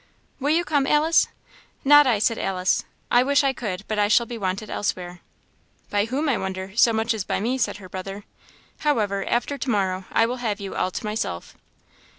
"Will you come, Alice?" "Not I," said Alice, "I wish I could, but I shall be wanted elsewhere." "By whom, I wonder, so much as by me?" said her brother. "However, after to morrow I will have you all to myself."